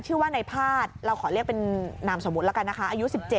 ชื่อว่าในพาดเราขอเรียกเป็นนามสมมุติแล้วกันนะคะอายุ๑๗